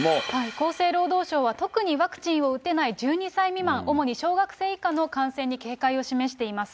厚生労働省は、特にワクチンを打てない１２歳未満、主に小学生以下の感染に警戒を示しています。